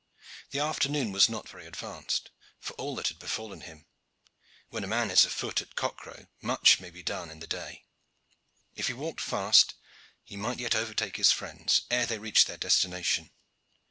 The afternoon was not very advanced, for all that had befallen him. When a man is afoot at cock crow much may be done in the day. If he walked fast he might yet overtake his friends ere they reached their destination.